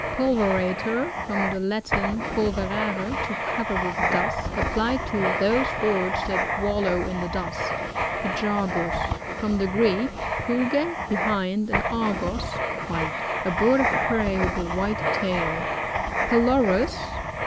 Pulverator. — From the Latin, pul" verare, to cover with dust. Ap plied to those birds that wallow in the dust Pygargus. — From the Greek, puge, behind, and ctrgos^ white. A bird of prey with a white tail Pylorus.